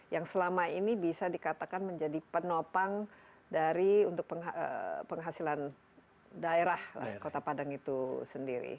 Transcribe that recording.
yang selama ini bisa dikatakan menjadi penopang dari untuk penghasilan daerah kota padang itu sendiri